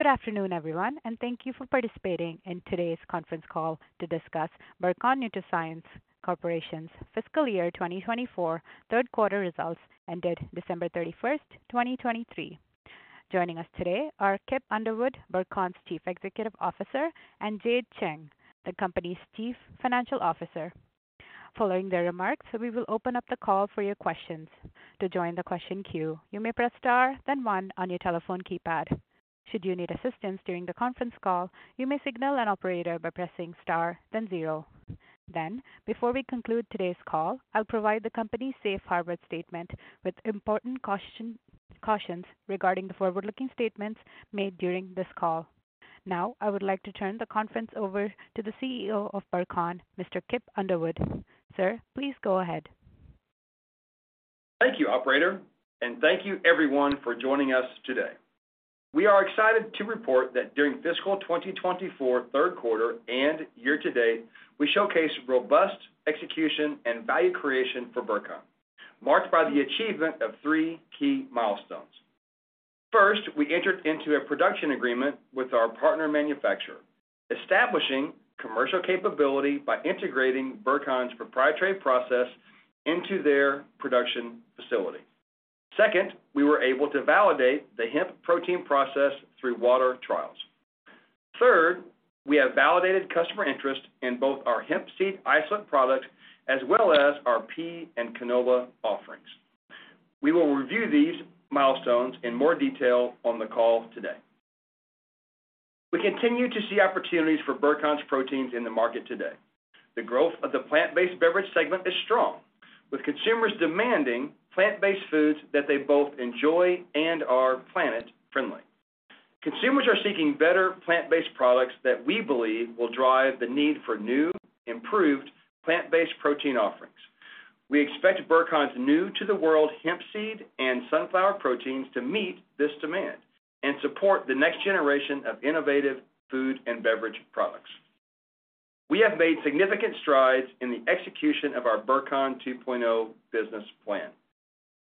Good afternoon, everyone, and thank you for participating in today's conference call to discuss Burcon NutraScience Corporation's fiscal year 2024 third quarter results ended December 31st, 2023. Joining us today are Kip Underwood, Burcon's Chief Executive Officer, and Jade Cheng, the company's Chief Financial Officer. Following their remarks, we will open up the call for your questions. To join the question queue, you may press Star, then one on your telephone keypad. Should you need assistance during the conference call, you may signal an operator by pressing Star, then zero. Then, before we conclude today's call, I'll provide the company's safe harbor statement with important caution, cautions regarding the forward-looking statements made during this call. Now, I would like to turn the conference over to the CEO of Burcon, Mr. Kip Underwood. Sir, please go ahead. Thank you, operator, and thank you everyone for joining us today. We are excited to report that during fiscal 2024 third quarter and year to date, we showcase robust execution and value creation for Burcon, marked by the achievement of three key milestones. First, we entered into a production agreement with our partner manufacturer, establishing commercial capability by integrating Burcon's proprietary process into their production facility. Second, we were able to validate the hemp protein process through water trials. Third, we have validated customer interest in both our hemp seed isolate product as well as our pea and canola offerings. We will review these milestones in more detail on the call today. We continue to see opportunities for Burcon's proteins in the market today. The growth of the plant-based beverage segment is strong, with consumers demanding plant-based foods that they both enjoy and are planet-friendly. Consumers are seeking better plant-based products that we believe will drive the need for new, improved plant-based protein offerings. We expect Burcon's new-to-the-world hemp seed and sunflower proteins to meet this demand and support the next generation of innovative food and beverage products. We have made significant strides in the execution of our Burcon 2.0 business plan.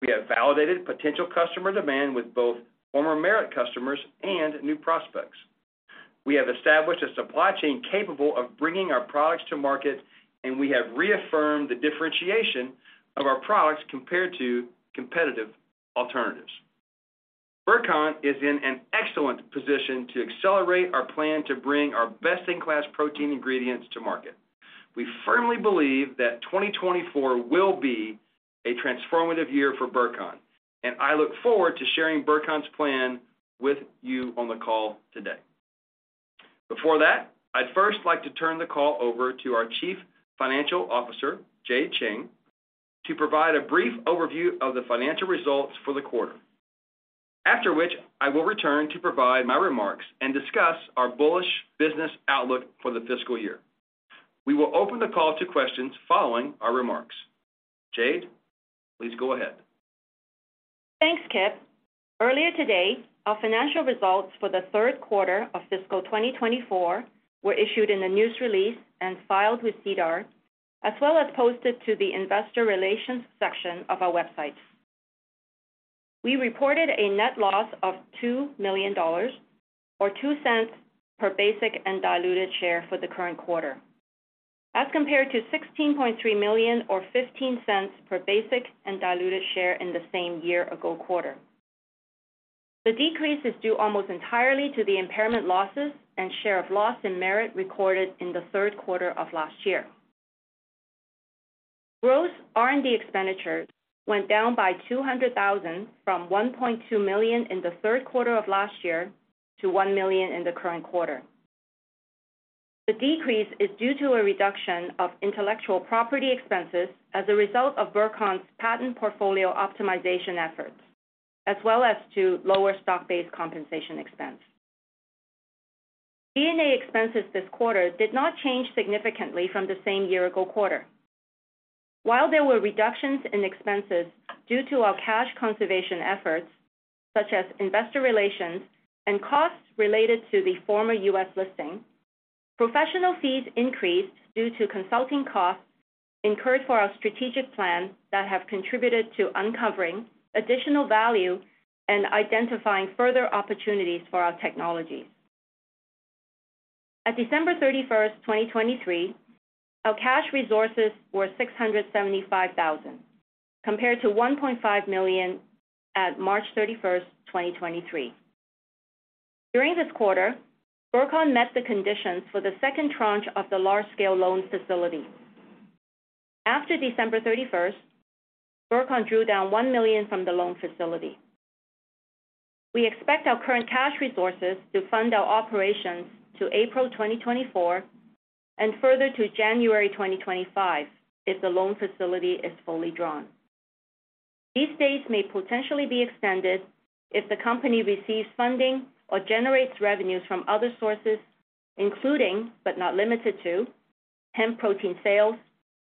We have validated potential customer demand with both former Merit customers and new prospects. We have established a supply chain capable of bringing our products to market, and we have reaffirmed the differentiation of our products compared to competitive alternatives. Burcon is in an excellent position to accelerate our plan to bring our best-in-class protein ingredients to market. We firmly believe that 2024 will be a transformative year for Burcon, and I look forward to sharing Burcon's plan with you on the call today. Before that, I'd first like to turn the call over to our Chief Financial Officer, Jade Cheng, to provide a brief overview of the financial results for the quarter. After which, I will return to provide my remarks and discuss our bullish business outlook for the fiscal year. We will open the call to questions following our remarks. Jade, please go ahead. Thanks, Kip. Earlier today, our financial results for the third quarter of fiscal 2024 were issued in a news release and filed with SEDAR, as well as posted to the investor relations section of our website. We reported a net loss of 2 million dollars or 0.02 per basic and diluted share for the current quarter, as compared to 16.3 million or 0.15 per basic and diluted share in the same year-ago quarter. The decrease is due almost entirely to the impairment losses and share of loss in Merit recorded in the third quarter of last year. Gross R&D expenditures went down by 200,000, from 1.2 million in the third quarter of last year to 1 million in the current quarter. The decrease is due to a reduction of intellectual property expenses as a result of Burcon's patent portfolio optimization efforts, as well as to lower stock-based compensation expense. R&D expenses this quarter did not change significantly from the same year-ago quarter. While there were reductions in expenses due to our cash conservation efforts, such as investor relations and costs related to the former U.S. listing, professional fees increased due to consulting costs incurred for our strategic plan that have contributed to uncovering additional value and identifying further opportunities for our technology. At December 31, 2023, our cash resources were 675,000, compared to 1.5 million at March 31, 2023. During this quarter, Burcon met the conditions for the second tranche of the large-scale loan facility. After December 31, Burcon drew down 1 million from the loan facility. We expect our current cash resources to fund our operations to April 2024 and further to January 2025, if the loan facility is fully drawn. These dates may potentially be extended if the company receives funding or generates revenues from other sources, including but not limited to hemp protein sales,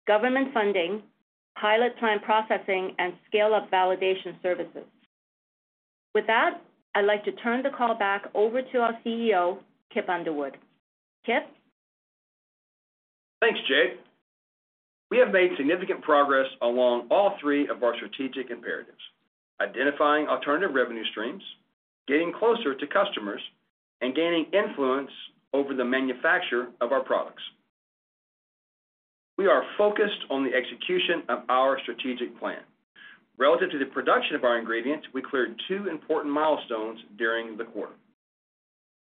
government funding, pilot plant processing, and scale-up validation services. With that, I'd like to turn the call back over to our CEO, Kip Underwood. Kip? Thanks, Jade. We have made significant progress along all three of our strategic imperatives: identifying alternative revenue streams, getting closer to customers, and gaining influence over the manufacture of our products. We are focused on the execution of our strategic plan. Relative to the production of our ingredients, we cleared two important milestones during the quarter.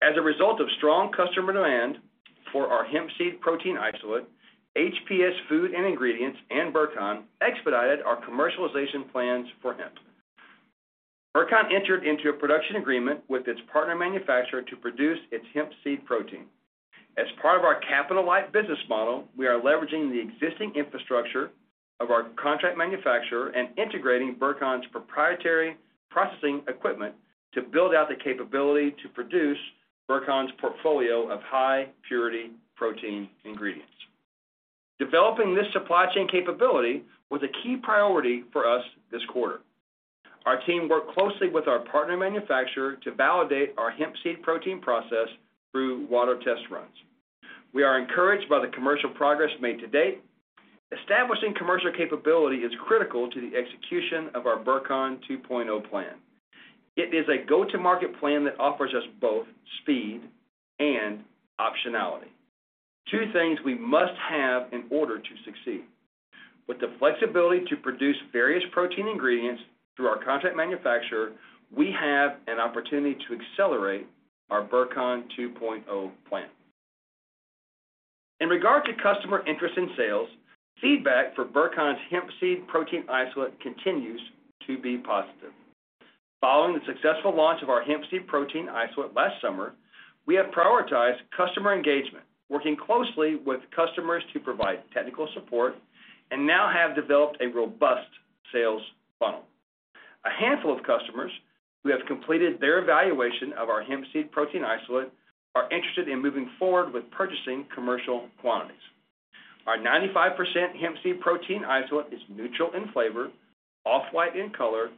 As a result of strong customer demand for our hemp seed protein isolate, HPS Food and Ingredients and Burcon expedited our commercialization plans for hemp. Burcon entered into a production agreement with its partner manufacturer to produce its hemp seed protein. As part of our capital-light business model, we are leveraging the existing infrastructure of our contract manufacturer and integrating Burcon's proprietary processing equipment to build out the capability to produce Burcon's portfolio of high-purity protein ingredients. Developing this supply chain capability was a key priority for us this quarter. Our team worked closely with our partner manufacturer to validate our hemp seed protein process through water test runs. We are encouraged by the commercial progress made to date. Establishing commercial capability is critical to the execution of our Burcon 2.0 plan. It is a go-to-market plan that offers us both speed and optionality, two things we must have in order to succeed. With the flexibility to produce various protein ingredients through our contract manufacturer, we have an opportunity to accelerate our Burcon 2.0 plan. In regard to customer interest in sales, feedback for Burcon's hemp seed protein isolate continues to be positive. Following the successful launch of our hemp seed protein isolate last summer, we have prioritized customer engagement, working closely with customers to provide technical support and now have developed a robust sales funnel. A handful of customers who have completed their evaluation of our hemp seed protein isolate are interested in moving forward with purchasing commercial quantities. Our 95% hemp seed protein isolate is neutral in flavor, off-white in color,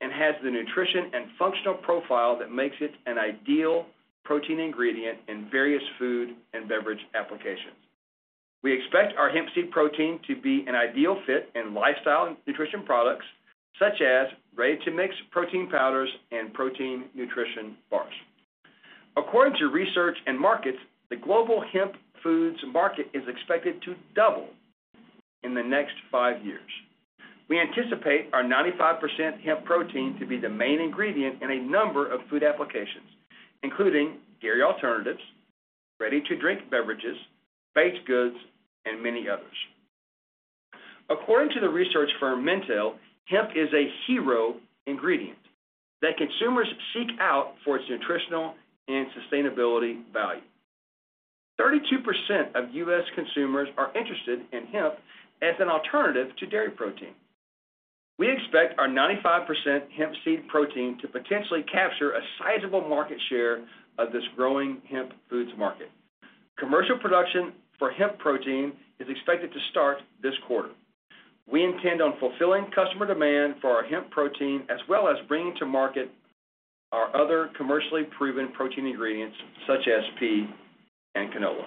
and has the nutrition and functional profile that makes it an ideal protein ingredient in various food and beverage applications. We expect our hemp seed protein to be an ideal fit in lifestyle and nutrition products, such as ready-to-mix protein powders and protein nutrition bars. According to Research and Markets, the global hemp foods market is expected to double in the next five years. We anticipate our 95% hemp protein to be the main ingredient in a number of food applications, including dairy alternatives, ready-to-drink beverages, baked goods, and many others. According to the research firm Mintel, hemp is a hero ingredient that consumers seek out for its nutritional and sustainability value. 32% of U.S. consumers are interested in hemp as an alternative to dairy protein. We expect our 95% hemp seed protein to potentially capture a sizable market share of this growing hemp foods market. Commercial production for hemp protein is expected to start this quarter. We intend on fulfilling customer demand for our hemp protein, as well as bringing to market our other commercially proven protein ingredients, such as pea and canola.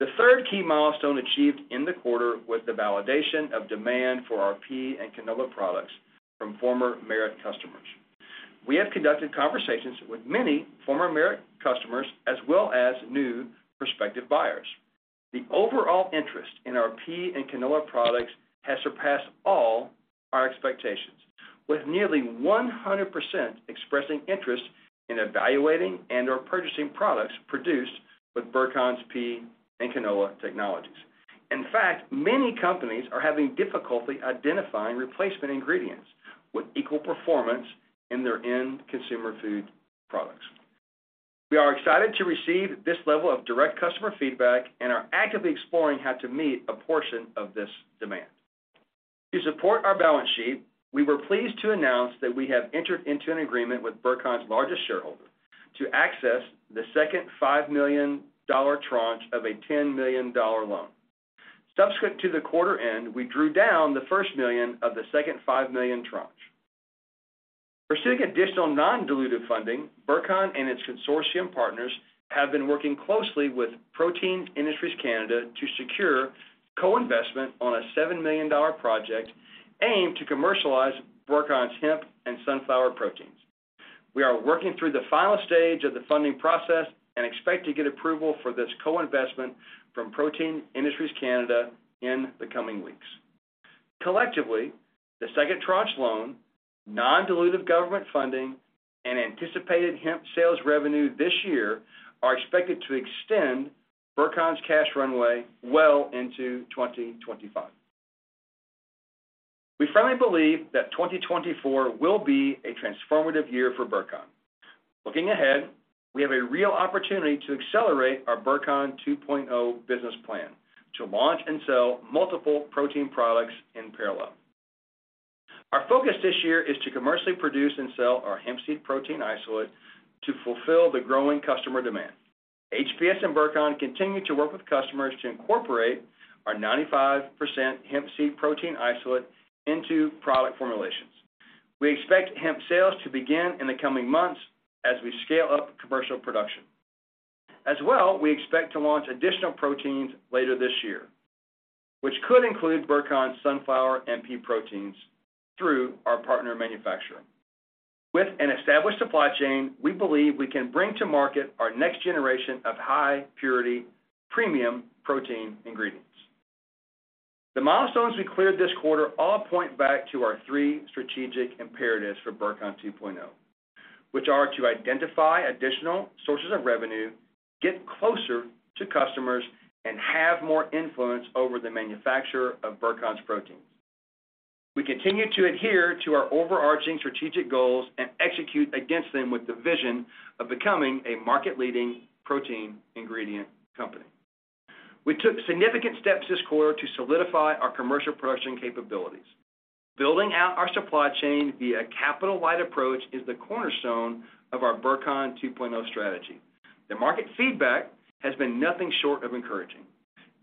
The third key milestone achieved in the quarter was the validation of demand for our pea and canola products from former Merit customers. We have conducted conversations with many former Merit customers, as well as new prospective buyers. The overall interest in our pea and canola products has surpassed all our expectations, with nearly 100% expressing interest in evaluating and/or purchasing products produced with Burcon's pea and canola technologies. In fact, many companies are having difficulty identifying replacement ingredients with equal performance in their end consumer food products. We are excited to receive this level of direct customer feedback and are actively exploring how to meet a portion of this demand. To support our balance sheet, we were pleased to announce that we have entered into an agreement with Burcon's largest shareholder to access the second 5 million dollar tranche of a 10 million dollar loan. Subsequent to the quarter end, we drew down the first 1 million of the second 5 million tranche. Pursuing additional non-dilutive funding, Burcon and its consortium partners have been working closely with Protein Industries Canada to secure co-investment on a 7 million dollar project aimed to commercialize Burcon's hemp and sunflower proteins. We are working through the final stage of the funding process and expect to get approval for this co-investment from Protein Industries Canada in the coming weeks. Collectively, the second tranche loan, non-dilutive government funding, and anticipated hemp sales revenue this year are expected to extend Burcon's cash runway well into 2025. We firmly believe that 2024 will be a transformative year for Burcon. Looking ahead, we have a real opportunity to accelerate our Burcon 2.0 business plan to launch and sell multiple protein products in parallel. Our focus this year is to commercially produce and sell our hemp seed protein isolate to fulfill the growing customer demand. HPS and Burcon continue to work with customers to incorporate our 95% hemp seed protein isolate into product formulations. We expect hemp sales to begin in the coming months as we scale up commercial production. As well, we expect to launch additional proteins later this year, which could include Burcon's sunflower and pea proteins through our partner manufacturing. With an established supply chain, we believe we can bring to market our next generation of high purity, premium protein ingredients. The milestones we cleared this quarter all point back to our three strategic imperatives for Burcon 2.0, which are to identify additional sources of revenue, get closer to customers, and have more influence over the manufacture of Burcon's proteins. We continue to adhere to our overarching strategic goals and execute against them with the vision of becoming a market-leading protein ingredient company. We took significant steps this quarter to solidify our commercial production capabilities. Building out our supply chain via capital-light approach is the cornerstone of our Burcon 2.0 strategy. The market feedback has been nothing short of encouraging.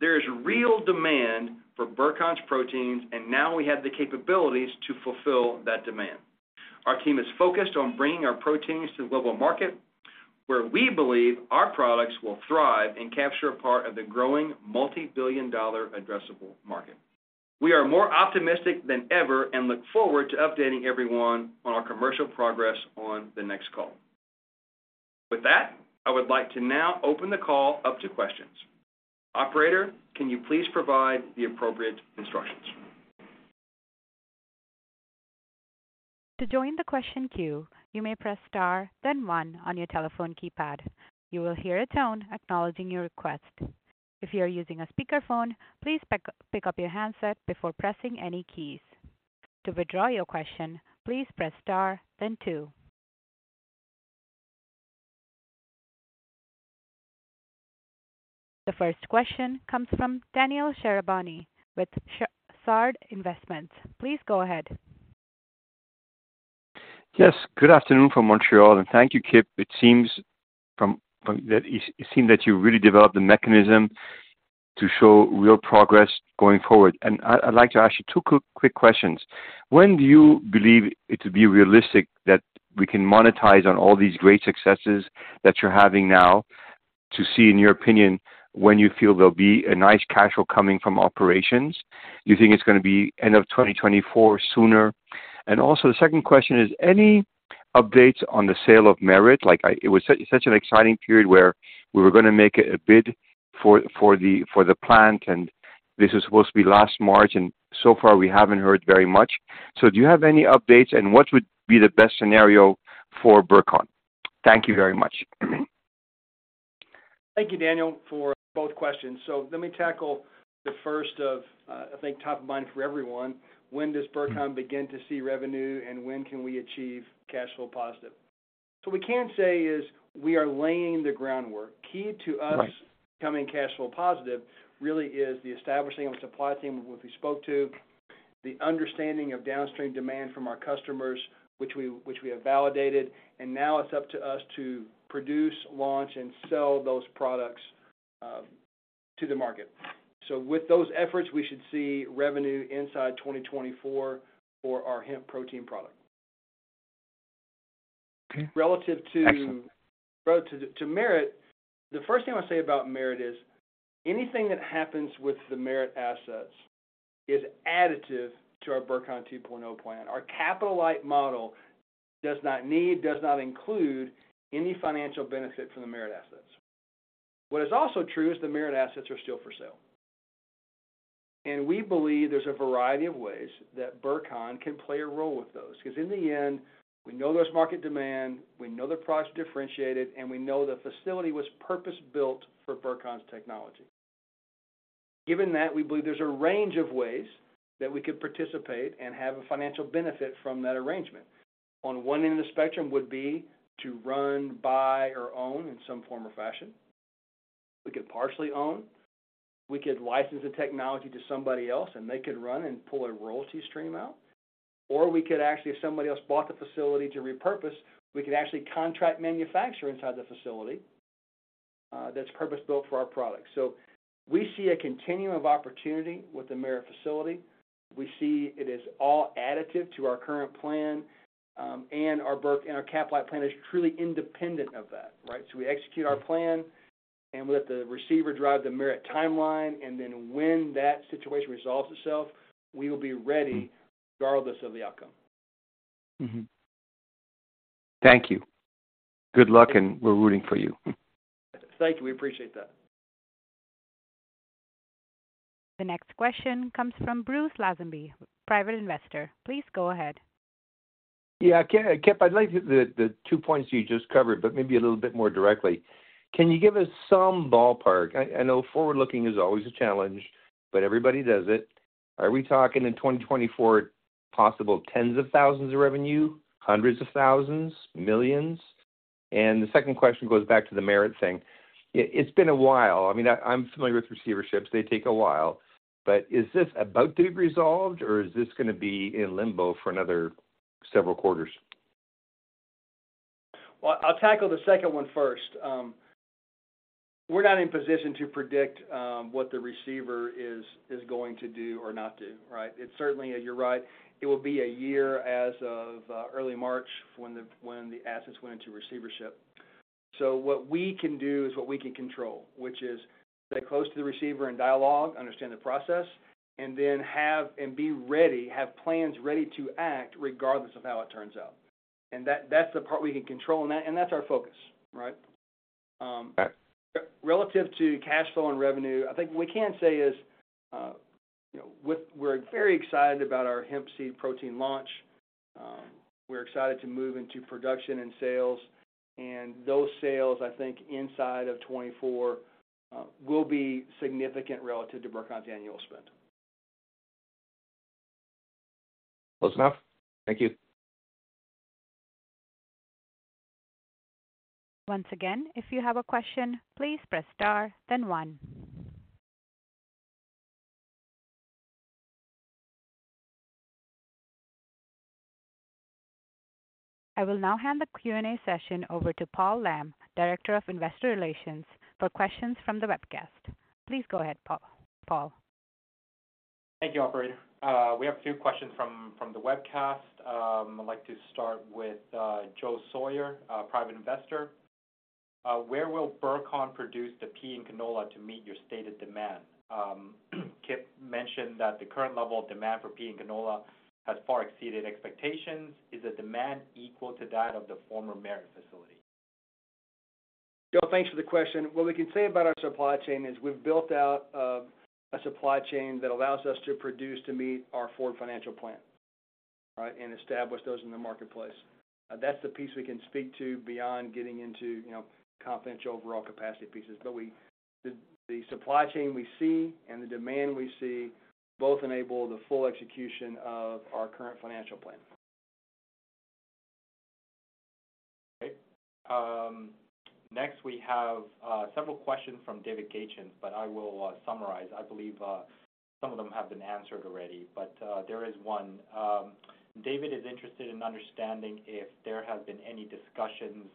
There is real demand for Burcon's proteins, and now we have the capabilities to fulfill that demand. Our team is focused on bringing our proteins to the global market, where we believe our products will thrive and capture a part of the growing multi-billion dollar addressable market. We are more optimistic than ever and look forward to updating everyone on our commercial progress on the next call. With that, I would like to now open the call up to questions. Operator, can you please provide the appropriate instructions? To join the question queue, you may press Star, then one on your telephone keypad. You will hear a tone acknowledging your request. If you are using a speakerphone, please pick up your handset before pressing any keys. To withdraw your question, please press Star, then two. The first question comes from Daniel Shahrabani with Sard Investments. Please go ahead. Yes, good afternoon from Montreal, and thank you, Kip. It seems from that it seems that you really developed a mechanism to show real progress going forward, and I'd like to ask you two quick questions. When do you believe it to be realistic that we can monetize on all these great successes that you're having now to see, in your opinion, when you feel there'll be a nice cash flow coming from operations? Do you think it's gonna be end of 2024, sooner? And also, the second question is, any updates on the sale of Merit? Like, it was such an exciting period where we were gonna make a bid for the plant, and this is supposed to be last March, and so far we haven't heard very much. Do you have any updates, and what would be the best scenario for Burcon? Thank you very much. Thank you, Daniel, for both questions. So let me tackle the first of, I think, top of mind for everyone. When does Burcon begin to see revenue, and when can we achieve cash flow positive? So we can say is we are laying the groundwork. Right. Key to us becoming cash flow positive really is the establishing of a supply chain, which we spoke to, the understanding of downstream demand from our customers, which we have validated, and now it's up to us to produce, launch, and sell those products to the market. So with those efforts, we should see revenue inside 2024 for our hemp protein product. Okay. Relative to Excellent. Relative to, to Merit, the first thing I would say about Merit is anything that happens with the Merit assets is additive to our Burcon 2.0 plan. Our capital-light model does not need, does not include any financial benefit from the Merit assets. What is also true is the Merit assets are still for sale, and we believe there's a variety of ways that Burcon can play a role with those. Because in the end, we know there's market demand, we know the product's differentiated, and we know the facility was purpose-built for Burcon's technology. Given that, we believe there's a range of ways that we could participate and have a financial benefit from that arrangement. On one end of the spectrum would be to run, buy, or own in some form or fashion. We could partially own, we could license the technology to somebody else, and they could run and pull a royalty stream out, or we could actually, if somebody else bought the facility to repurpose, we could actually contract manufacture inside the facility, that's purpose-built for our product. So we see a continuum of opportunity with the Merit facility. We see it as all additive to our current plan, and our Burcon and our capital plan is truly independent of that, right? So we execute our plan, and we let the receiver drive the Merit timeline, and then when that situation resolves itself, we will be ready regardless of the outcome. Mm-hmm. Thank you. Good luck, and we're rooting for you. Thank you. We appreciate that. The next question comes from Bruce Lazenby, private investor. Please go ahead. Yeah, Kip, I'd like the two points you just covered, but maybe a little bit more directly. Can you give us some ballpark? I know forward-looking is always a challenge, but everybody does it. Are we talking in 2024, possible tens of thousands of revenue, hundreds of thousands, millions? And the second question goes back to the Merit thing. It's been a while. I mean, I'm familiar with receiverships. They take a while, but is this about to be resolved, or is this gonna be in limbo for another several quarters? Well, I'll tackle the second one first. We're not in a position to predict what the receiver is going to do or not do, right? It's certainly, you're right, it will be a year as of early March when the assets went into receivership. So what we can do is what we can control, which is stay close to the receiver and dialogue, understand the process, and then have plans ready to act regardless of how it turns out. And that, that's the part we can control, and that, and that's our focus, right? Relative to cash flow and revenue, I think what we can say is, you know, we're very excited about our hemp seed protein launch. We're excited to move into production and sales, and those sales, I think, inside of 2024, will be significant relative to Burcon's annual spend. Close enough. Thank you. Once again, if you have a question, please press Star, then one. I will now hand the Q&A session over to Paul Lam, Director of Investor Relations, for questions from the webcast. Please go ahead, Paul. Thank you, Operator. We have a few questions from the webcast. I'd like to start with Joe Sawyer, a private investor. Where will Burcon produce the pea and canola to meet your stated demand? Kip mentioned that the current level of demand for pea and canola has far exceeded expectations. Is the demand equal to that of the former Merit facility? Joe, thanks for the question. What we can say about our supply chain is we've built out a supply chain that allows us to produce to meet our forward financial plan, right? And establish those in the marketplace. That's the piece we can speak to beyond getting into, you know, confidential overall capacity pieces. But we, the supply chain we see and the demand we see both enable the full execution of our current financial plan. Okay. Next, we have several questions from David Gaichin, but I will summarize. I believe some of them have been answered already, but there is one. David is interested in understanding if there have been any discussions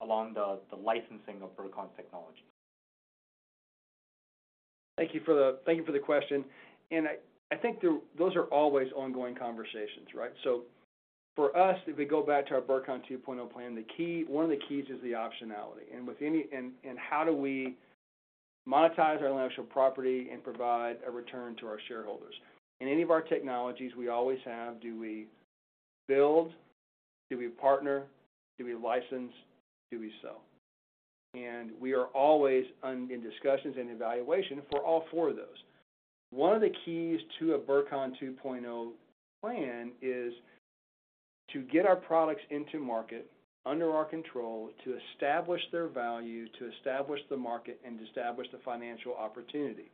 along the licensing of Burcon's technology. Thank you for the question. And I, I think those are always ongoing conversations, right? So for us, if we go back to our Burcon 2.0 plan, one of the keys is the optionality. And with any... And, and how do we monetize our intellectual property and provide a return to our shareholders? In any of our technologies, we always have, do we build? Do we partner? Do we license? Do we sell? And we are always on in discussions and evaluation for all four of those. One of the keys to a Burcon 2.0 plan is to get our products into market, under our control, to establish their value, to establish the market, and to establish the financial opportunity.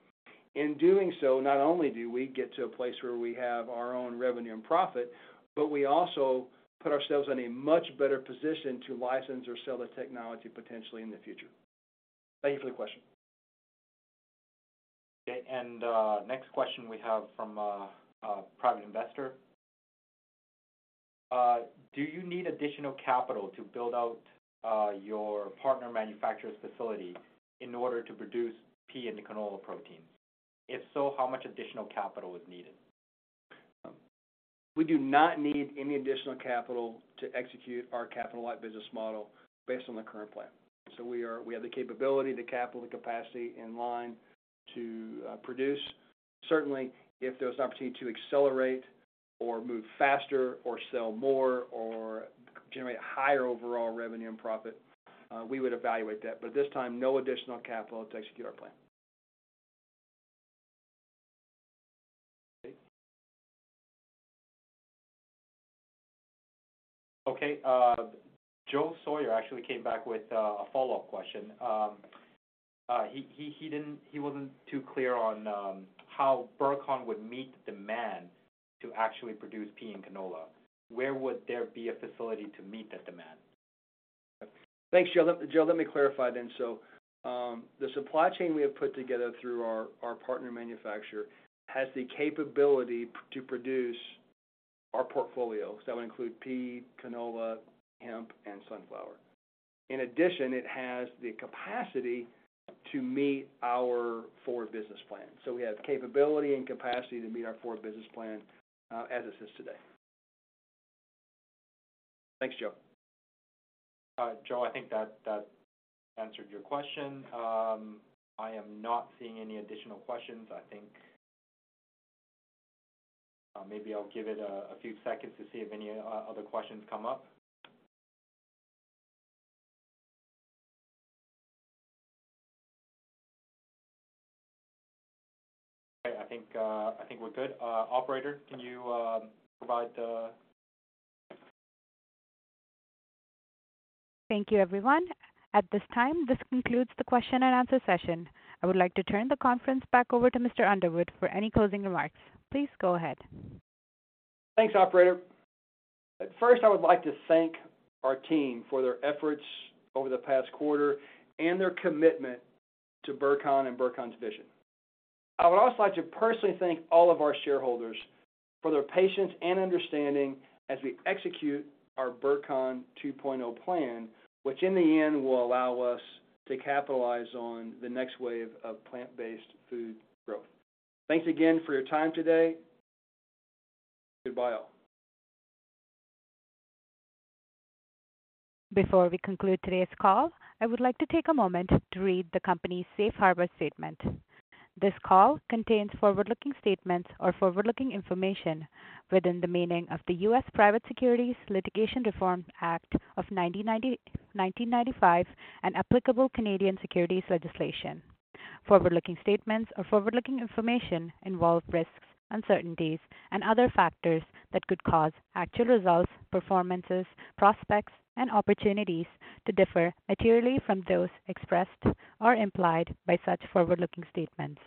In doing so, not only do we get to a place where we have our own revenue and profit, but we also put ourselves in a much better position to license or sell the technology potentially in the future. Thank you for the question. Okay, and, next question we have from a private investor. Do you need additional capital to build out your partner manufacturer's facility in order to produce pea and the canola proteins? If so, how much additional capital is needed? We do not need any additional capital to execute our capital-light business model based on the current plan. So we have the capability, the capital, the capacity in line to produce. Certainly, if there was an opportunity to accelerate or move faster or sell more or generate a higher overall revenue and profit, we would evaluate that. But at this time, no additional capital to execute our plan. Okay. Joe Sawyer actually came back with a follow-up question. He didn't-- he wasn't too clear on how Burcon would meet the demand to actually produce pea and canola. Where would there be a facility to meet that demand? Thanks, Joe. Joe, let me clarify then. So, the supply chain we have put together through our, our partner manufacturer has the capability to produce our portfolio. So that would include pea, canola, hemp, and sunflower. In addition, it has the capacity to meet our Burcon 2.0 business plan. So we have the capability and capacity to meet our Burcon 2.0 business plan, as it is today. Thanks, Joe. Joe, I think that, that answered your question. I am not seeing any additional questions. I think, maybe I'll give it a few seconds to see if any other questions come up. I think, I think we're good. Operator, can you provide the. Thank you, everyone. At this time, this concludes the question-and-answer session. I would like to turn the conference back over to Mr. Underwood for any closing remarks. Please go ahead. Thanks, operator. First, I would like to thank our team for their efforts over the past quarter and their commitment to Burcon and Burcon's vision. I would also like to personally thank all of our shareholders for their patience and understanding as we execute our Burcon 2.0 plan, which in the end will allow us to capitalize on the next wave of plant-based food growth. Thanks again for your time today. Goodbye, all. Before we conclude today's call, I would like to take a moment to read the company's safe harbor statement. This call contains forward-looking statements or forward-looking information within the meaning of the U.S. Private Securities Litigation Reform Act of 1995 and applicable Canadian securities legislation. Forward-looking statements or forward-looking information involve risks, uncertainties, and other factors that could cause actual results, performances, prospects, and opportunities to differ materially from those expressed or implied by such forward-looking statements.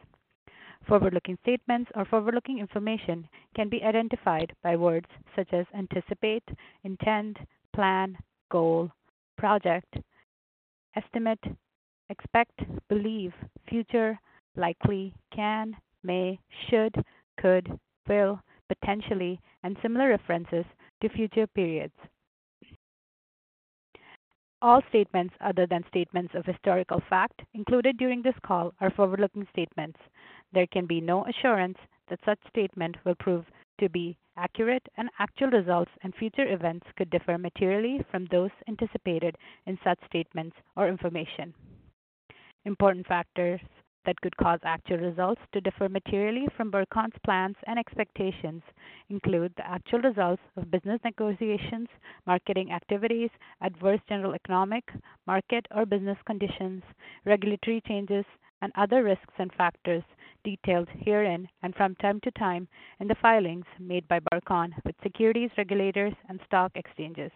Forward-looking statements or forward-looking information can be identified by words such as anticipate, intend, plan, goal, project, estimate, expect, believe, future, likely, can, may, should, could, will, potentially, and similar references to future periods. All statements other than statements of historical fact included during this call are forward-looking statements. There can be no assurance that such statement will prove to be accurate, and actual results and future events could differ materially from those anticipated in such statements or information. Important factors that could cause actual results to differ materially from Burcon's plans and expectations include the actual results of business negotiations, marketing activities, adverse general economic, market or business conditions, regulatory changes and other risks and factors detailed herein and from time to time in the filings made by Burcon with securities regulators and stock exchanges,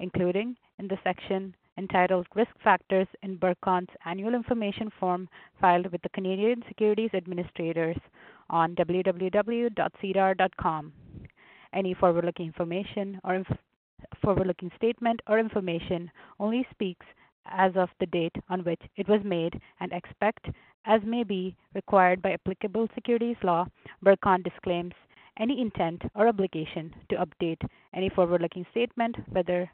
including in the section entitled Risk Factors in Burcon's Annual Information Form filed with the Canadian Securities Administrators on www.sedar.com. Any forward-looking information or forward-looking statement or information only speaks as of the date on which it was made, and except, as may be required by applicable securities law, Burcon disclaims any intent or obligation to update any forward-looking statement, whether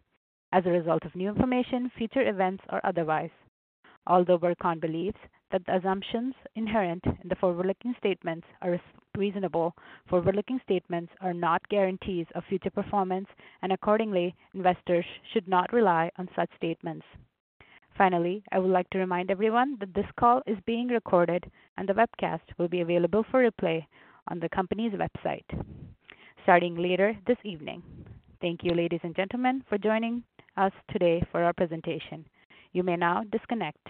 as a result of new information, future events, or otherwise. Although Burcon believes that the assumptions inherent in the forward-looking statements are reasonable, forward-looking statements are not guarantees of future performance, and accordingly, investors should not rely on such statements. Finally, I would like to remind everyone that this call is being recorded, and the webcast will be available for replay on the company's website starting later this evening. Thank you, ladies and gentlemen, for joining us today for our presentation. You may now disconnect.